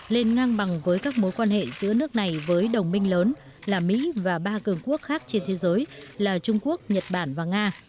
lên ngang bằng với các mối quan hệ giữa nước này với đồng minh lớn là mỹ và ba cường quốc khác trên thế giới là trung quốc nhật bản và nga